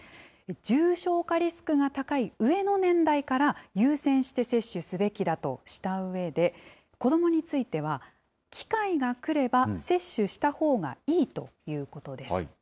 重症化リスクが高い上の年代から優先して接種すべきだとしたうえで、子どもについては、機会が来れば接種したほうがいいということです。